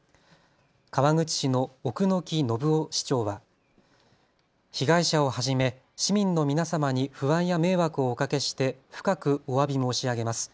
川口市の奥ノ木信夫市長は被害者をはじめ市民の皆様に不安や迷惑をおかけして深くおわび申し上げます。